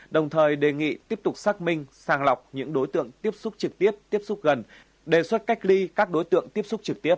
đồng thời đề nghị tiếp tục xác minh sàng lọc những đối tượng tiếp xúc trực tiếp tiếp xúc gần đề xuất cách ly các đối tượng tiếp xúc trực tiếp